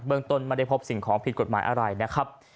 เบื้องต้นมันได้พบสิ่งของผิดกฎหมายอะไรนะครับ